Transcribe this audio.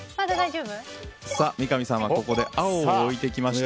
三上さんはここで青を置いてきました。